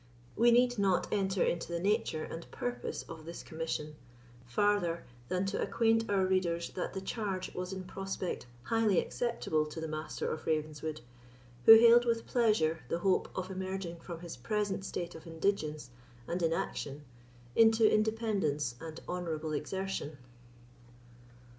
We need not enter into the nature and purpose of this commission, farther than to acquaint our readers that the charge was in prospect highly acceptable to the Master of Ravenswood, who hailed with pleasure the hope of emerging from his present state of indigence and inaction into independence and honourable exertion.